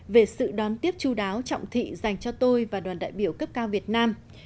về sự đón tiếp chú đáo trọng thị dành cho tôi và đoàn đại biểu cấp cao việt nam